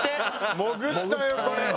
潜ったよこれは。